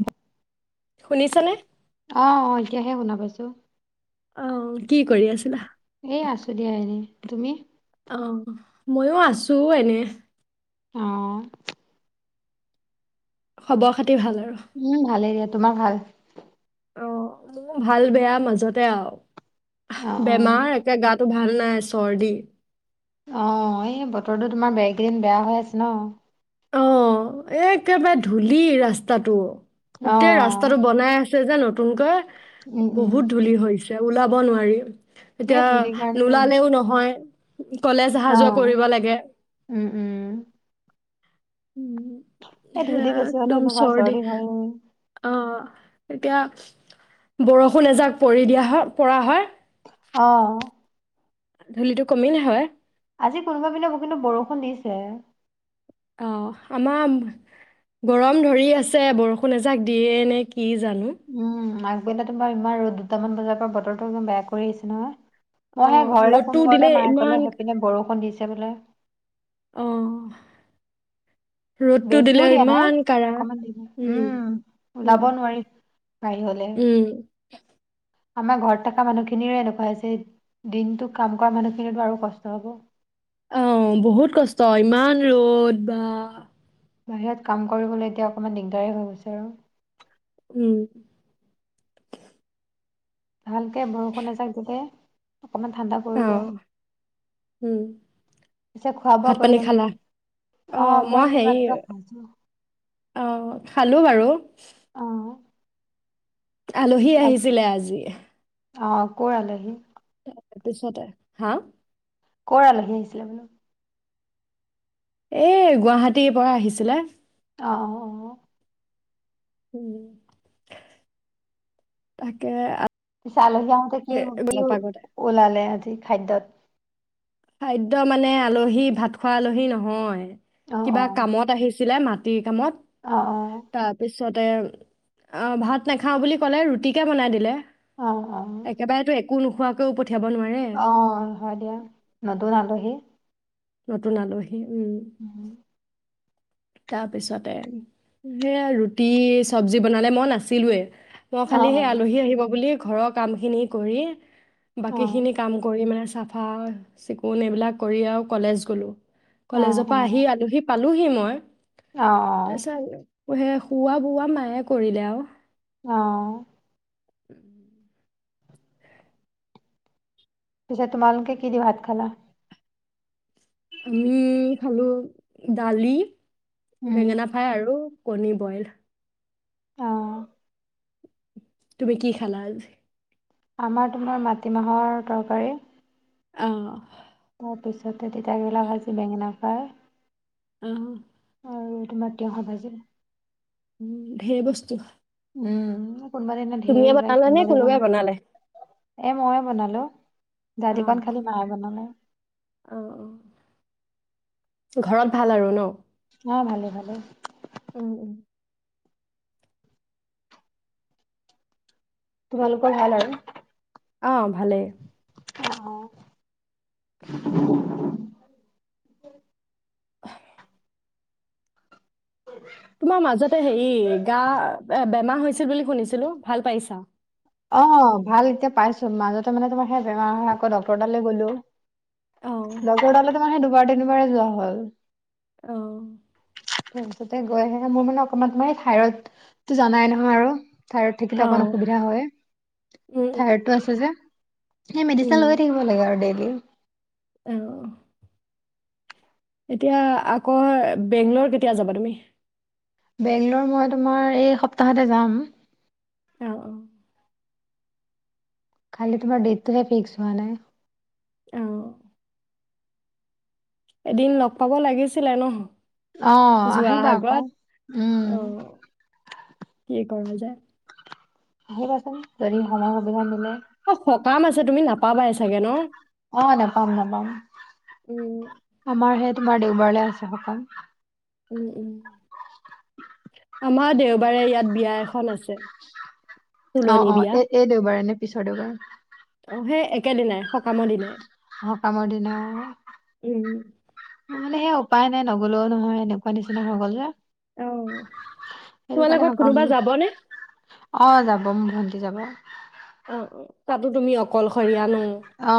উব [inaudible] শুনিছানে? অ', এতিয়াহে শুনা পাইছো অহ কি কৰি আছিলা এয়া আছো দিয়া এনে তুমি অ ময়ো আছো এনে অ খবৰ খাতি ভাল আৰু। উম ভালেই দিয়া তোমাৰ ভাল উ মোৰ ভাল বেয়া মাজতে আৰু অ', অ', বেমাৰ একে গাত টো ভাল নাই চৰ্দি অ এই বতৰটো তোমাৰ বে কেইদিন বেয়া হৈ আছে ন অ এই একেবাৰে ধূলি ৰাস্তাটো গোটেই অ', ৰাস্তাটো বনাই যে নতুনকৈ উম, উম, বহুত ধূলি হৈছ এয়া ওলাব নোৱাৰি সেই এতিয়া ধূলিৰ কাৰণে লোলালেও নহয় কলেজ অহা যোৱা অ', কৰিব লাগে উম, উম, উম, এই ধূলি সেয়া বেছি একদম নহয় চৰ্দি হয়েই অ', এতিয়া বৰষুণ এজাক পৰি দিয়া হয় পৰা হয় অ ধূলিটো কমিল হয় আজি কোনোবা পিনে পিনে বৰষুণ দিছে অ আমাৰ, গৰম ধৰি আছে বৰষুণ এজাক দিয়ে নে কি জানো উম, [unintelligible] তোমাৰ ইমান দুটামান বজাৰ পৰা বতৰটো ইমান বেয়া কৰি আহিছে নহয় মই সেই অঁ ঘৰলে ৰ'দটো ফোন দিলে কৰতে মায়ে ইমান ক'লে সেইপিনে বৰষুণ দিছে এতিয়া বোলে অহ বেছিও দিয়া নাই, অকমান দিলে, উম উম, ওলাব নোৱাৰি, বাহিৰলে উম। আমাৰ ঘৰত থকা মানুহখিনিয়ে এনেকুৱা হৈছে, দিনটো কাম কৰা মানুহখিনো আৰু কষ্ট হ'ব অহ, বহুত কষ্ট ইমান ৰ'দ, বা বাহিৰত কাম কৰিবলৈ এতিয়া অকমান দিগদাৰে হৈ গৈছে আৰু উম ভালকে বৰষুণে এজাক দিলে অকমান ঠাণ্ডা পৰিব, অঁ উম। পিছে খোৱা বোৱা ভাত পানী কৰিলা নে খালা নাই, অ মই এই মাত্ৰ খাইছো অহ খালো বাৰু [unintelligible] আলহী আহিছিলে আজি অহ, কৰ আলহী তাৰ পিছতে, হা কৰ আলহী আহিছিলে বোলো এ গুৱাহাটীৰ পৰা আহিছিলে অহ অহ উম, তাকে পিছে আলহী আহোতে কি, আজি কি নপাগতে ওলালে আজি খাদ্যত খাদ্য মানে, আলহী ভাত খোৱা আলহী নহয় অ কিবা অ কামত আহিছে ছিলে মাটি [unintelligible] মত অ তাৰপিছত সিহঁতে, ভাত নাখাওঁ বুলি ক'লে ৰুটিকে বনাই দিলে অ অ অ একেবাৰেতো এক একো নখোৱাকেও অ হয় দিয়া নতুন আলহী নতুন আলহী উম উম তাৰপিছতে, সেয়া ৰুটি, চবজি বনালে মই নাছিলোৱে মই অ অ খালি সেই আলহী আহিব বুলি ঘৰৰ কাম খিনি কৰি অ অ বাকী খিনি কাম কৰি মানে চাফা- চিকুণ এইবিলাক কৰি আৰু কলেজ গলোঁ। অ কলেজৰ পৰা আহি আলহী পালোহি মই। অ অ [unintelligible] হেই-খোওৱা - বোওৱা মায়ে কৰিলে আৰু। অও' [unintelligible] পিছে তোমালোকে কি দি ভাত খালা? আমি খালোঁ দালি উম বেঙেনা ফ্ৰাই আৰু কণী বইল। অ তুমি কি খালা আজি? আমাৰ তোমাৰ মাটিমাহৰ তৰকাৰী। অ' তাৰপিছতে তিতাকেৰেলা ভাজি বেঙেনা ফ্ৰাই অঁ হু আৰু -তোমাৰ তেওঁ সাকভাজিলে। উম্‌- ধেৰ বস্তু। উম কোনোবা দিনা ঢেৰ তুমিয়ে ওলাই বনালা নে কোনোবা দিনা কোনোবাই নাই বনালে? এ মইয়ে বনালোঁ। দালিখন খালি মায়ে বনালে। অ' অ' ঘৰত ভাল আৰু ন? অ ভালে ভালে। উম্‌ উম্‌। তোমালোকৰ ভাল আৰু? আ'- ভালেই। অ' উম, [unintelligible] উম [inaudible] তোমাৰ মাজতে হেৰি- গা- বেমাৰ হৈছিল বুলি শুনিছিলোঁ। ভাল পাইছা? অ' ভাল এতিয়া পাইছো। মাজতে মানে তোমাৰ সেই বেমাৰ হৈ আকৌ ডাক্টৰ টালৈ গলোঁ। অ', নতুন দ মাহে দুবাৰ তিনিবাৰে যোৱা হ'ল। অ' তাতে গৈ আহে মোৰ মানে অকমান তোমাৰ এই ঠায়ৰইডটো জানাই নহয় আৰু! ঠাইৰয়ড থাকিলে অকণ অ', অসুবিধা হয়। উম, উম, ঠাইৰয়ডটো আছে যে সেই মেডিচিন লৈয়ে থাকিব লাগে। ডেইলী অহ এতিয়া আকৌ বেংলৰ কেতিয়া যাবা তুমি? বেংগলৰ মই তোমাৰ এই সপ্তাহতে যাম। অ অ খালি তোমাৰ ডেটটোহে ফিক্স হোৱা নাই। অ', এদিন লগ পাব লাগিছিলে নহ। অহ আহিবা আকৌ উম। তাৰপিছত ভাল কথা যদি সময় সুবিধা মিলে। সক কাম আছে তুমি পাবাই চাগে ন? নাজানো উম আমাৰহে তোমাৰ দেওবাৰলৈ আছে সকাম। উম উম আমাৰ দেওবাৰে ইয়াত বিয়া এখন আছে। অ তুলনী অ বিয়া। এ-এই দেওবাৰেনে? পিছৰদেওবাৰ। অ সেই একেদিনাই সকামৰ দিনাই। সকামৰ দিনাই। উম মানে সেই উপায় নাই নগলেও নহয় এনেকুৱা নিচিনা হৈ গ'ল যে। অ সেইটো তোমালোকৰ কাৰণে ঘৰত কোনোবা সকামলৈ যাবনে অ যাব ভন্টি যাব তাতো তুমি অকলশৰিয়ানো। অ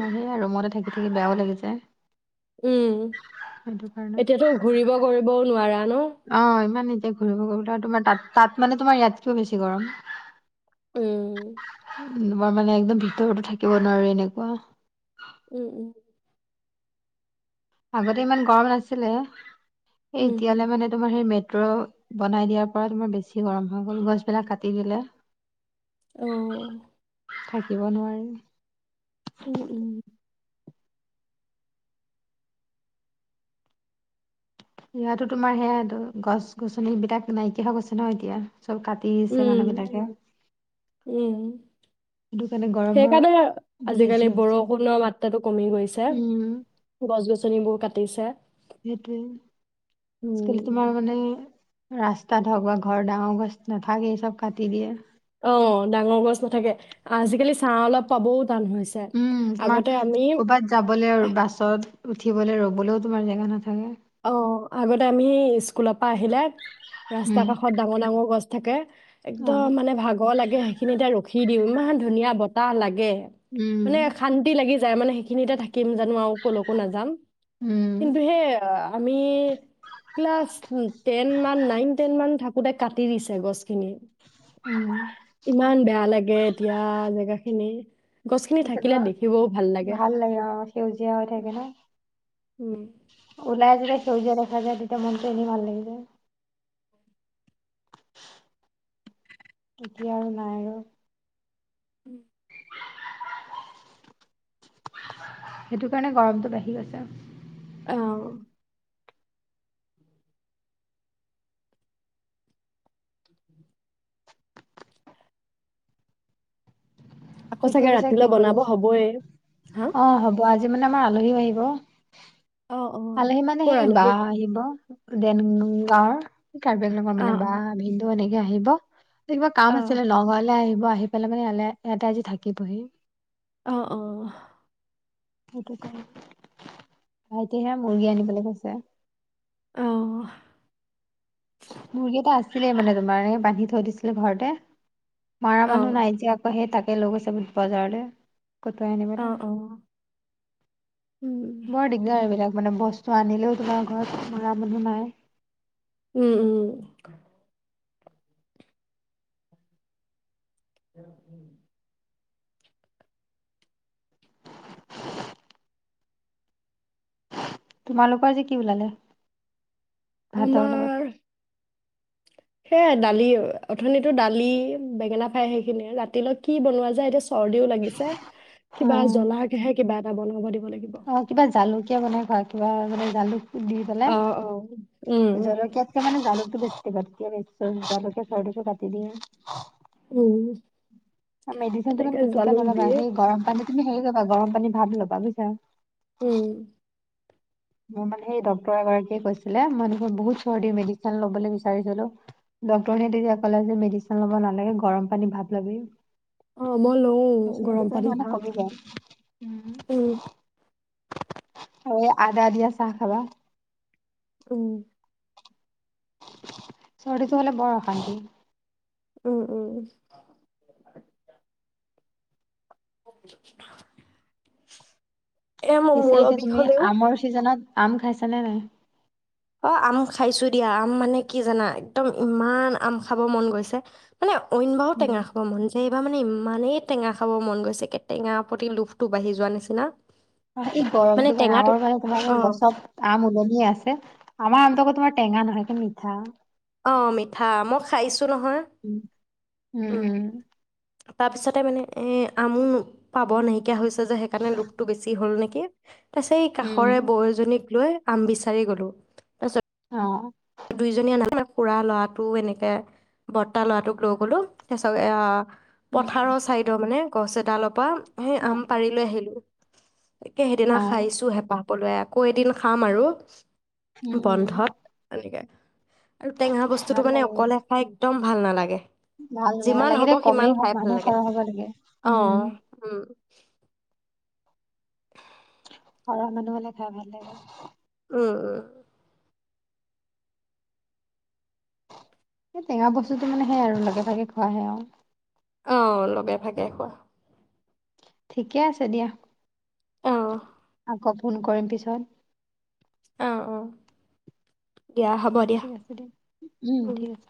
মই সে আৰু ৰুমতে থাকি বেয়াও লাগিছে। উম সেইটো কাৰণে এতিয়াতো ঘূৰিব গৈ বৌ নোৱাৰা। ন অ ইমান এতিয়া ঘূৰিব তাত তোমাৰ তাত-তাত মানে তোমাৰ ইয়াতকেও বেছি গৰম। উম তোমাৰ মানে একদম ভিতৰতো থাকিব নোৱাৰো এনেকুৱা উম উম আগতে ইমান গৰম নাছিলে। এ উম উম এতিয়ালৈ মানে তোমাৰ সেই মেত অ বনাই দিয়াৰ পৰা তোমাৰ বেছি গৰম হৈ গ'ল গছবিলাক কাটি দিলে। অও থাকিব নোৱাৰি। উম উম ইয়াতো তোমাৰ সেয়া গছ গছনিবিলাক নাইকিয়া হৈ গৈছে ন এতিয়া চব কাটি দিছে উম মানুহবিলাকে উম সেইকাৰণে আজিকালি বেছি হৈছে বৰষুণৰ মাত্ৰাতটো কমি গৈছে উম গছ গছনিবোৰ ক তেছা সেইটো সকেলত উম ম মানে ৰাস্তাত হওক বা ঘৰ ডাঙৰ গছ নাথাকে চব কাটি দিয়ে অ ডাঙৰ গছ নাথাকে আজিকালি চাহ অলপ পাবও টান হৈছে উম তোমাৰ আগতে আমি কৰ'বাত যাবলৈ আৰু বাছত উঠিব ৰবলৈও তোমাৰ জেগা নাথাকে অ আগতে আমি স স্কুলৰ পৰা আহিলে ৰাস্তা উম কাষত ডাঙৰ ডাঙৰ গছ থাকে অ একদম মানে ভাগৰ লাগে সেইখিনিতে ৰখি উঠি দিওঁ ইমান ধুনীয়া বতাহ লাগে উম মানে শান্তি লাগি যায় মানে সেইখিনিতে থাকি জানো আৰু কলকো নাযাম উম কিন্তু সেই আমি ক্লাছ টেন মান নাইন টেন মান থাকোতে কাটি দিছে গছখিনি উম ইমান বেয়া লাগে এতিয়া জেগা খিনি এতিয়া তোমাৰ ভাল লাগে অ সেউজীয়া হৈ থাকে ন উম উলাই আ যেতিয়া সেউজীয়া দেখা যায় তেতিয়া মনটো এনেই ভাল লাগি যায় এতিয়া আৰু নাই আৰু উম সেইটো কাৰণে গৰমটো বাঢ়ি গৈছে আহ আকৌ এতিয়া চাগে পিছে কি ৰাতিলৈ কৰি বনাব আছা? হবয়ে হা অ', হ'ব আজি মানে আমাৰ আলহী আহিব অ অ আলহি মানে কৰ সেই আলহী বাহ আহিব দেন নো দা এই কা [inaudible] মানে বা হিন্দু অনেক কেতিয়া আহিব কিবা কাম আছিলে লগ ঘৰলে আহি মই আহি পেলাই মানে ই ইয়াতে আজি থাকিবহি আহ অ সেইটো ক ভাইটিহে মুৰ্গী আনিবলৈ কৈছে আহ মুৰ্গী এটা আছিলে মানে তোমাৰ বান্ধি থৈ দিছিলে ঘৰতে মাৰা মানুহ নাই যে আকৌ! হে তাকে। এই লৈ গৈছে বুলে বজাৰলে। কটোৱাই আনিবলৈ--বৰ দিগদাৰ এইবিলাক। মানে বস্তু আনিলেও তোমাৰ ঘৰত খোৱা মানুহ নাই। উম' উম'। উম উম [unintelligible] [inaudible] তোমালোকৰ আজি কি ওলালে? ভাতৰ লগত আমাৰ সেয়াই! দালি অথনিতো দালি বেঙেনা ফ্ৰাই সেইখিনিয়ে। ৰাতিলৈ কি বনোৱা যায় এতিয়া? চৰ্দিও লাগিছে, অ কিবা জ্বলাকেহে কিবা। [unintelligible] [inaudible] অ' কিবা জালুকীয়া বনাই খোৱা। খোৱাৰ আগতে জালুক। দি পেলাই, অ অ উম জলকীয়াতকে মানে জালুক। বেষ্টি বকে বেছ [unintelligible] [inaudible] উম', জালুকে চৰ্দিটো কাটি দিয়ে। [unintelligible] উম' মেডিচিনটো ইমান তেনেকে পুতুককে জালুক নলাবা দিয়ে সেই গৰম পানীত। তুমি হেৰি কৰিবা, গৰম পানী ভাপ ল'বা বুজিছা। উম' মোৰ মানে সেই ডাক্তৰ এগৰাকীয়ে কৈছিলে মোৰ দেখোন বহুত চৰ্দি মেডিচিন লবলৈ বিচাৰিছিলোঁ ডাক্তৰেহে তেতিয়া ক'লে- যে মেডিচিন লব নালাগে গৰম পানী ভাৱ লবি। অ' মই লওঁ গৰম মেডিচিন পানী মানে ভাপ। কমি যায় উম' অ আদা দিয়া চাহ খাবা। উম' চৰ্দিটো হলে বৰ অশান্তি। উম' উম' উম' [unintelligible] [inaudible] মোৰ পিছে মূৰৰ এতিয়া বিষ তুমি হ'লেও আমৰ চিজনত। আম খাইছা নে নাই? অ' আম খাইছোঁ দিয়া। আম মানে কি জানা? একদম ইমান আম খাব মন গৈছে মানে! অইন বাৰু, উম, টেঙা খাব মন যায়। এইবাৰ মানে ইমানেই টেঙা খাব মন গৈছে, একে টেঙা প্ৰতি লোভটো বাঢ়ি যোৱা নিচিনা। এই মানে গৰমটো কাৰণে টেঙাটো আমৰ কাৰনে অ ভাল। গছত আম উলমিয়ে আছে। আমাৰ আমটো আকৌ তোমাৰ টেঙা নহয়, কি মিঠা! অ' মিঠা, মই খাইছোঁ। তো নহয় উম, উম উম তাৰপিছতে মানে এই আমো পাব নাইকিয়া হৈছে যে সেইকাৰে লোকটো বেছি হল নেকি কি তাপিচত এই কাষৰে উম বয়জনীক লৈ আম বিচাৰি গলো তাৰিছত উহ দুইজনীয়া নাজ খু়ৰা ল'ৰাটো এনেকে বৰ্তা ল'ৰাটোক লৈ গ'লো তাৰপিছত এয়া উম, উম, পথাৰৰ চাইডৰ মানে গছ এদালপা হে আম পাৰিলৈ আহিলো একে সেইদিনা অ', অ', খাইছো হেঁপাহ পলোৱাই আকৌ এদিন খাম আৰু উম উ একে আৰু টেঙা বস্তুতটো মানে লাগে, অকলে খাই একদম ভাল নালাগে ভাল নেলাগে যিমান লাগিলে হ'ব সিমান কমেই হওক খাই ভাল মানুহ লাগে খৰহ হ'ব লাগে অ উম উহ খৰহ মানুহ হ'লে খাই ভাল লাগে উ এ টেঙা বস্তুটো মানে সেই আৰু লগে ভাগে খোৱাহে আৰু উহ লগে ভাগে খোৱা ঠিকে আছে দিয়া এ মো আকৌ ফোন কৰিম পিছত উ উ দিয়া হ'ব দিয়া ঠিক আছে উম, উহ ঠিক আছে।